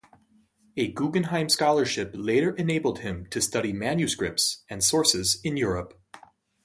A Guggenheim Scholarship later enabled him to study manuscripts and sources in Europe.